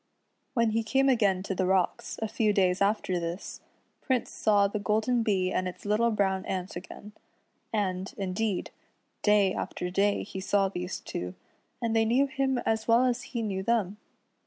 When he came again to the rocks, a few days after this, Prince saw the golden Bee and its little brown ant again, and, indeed, day after day he saw these two, and they knew him as well as he knew them.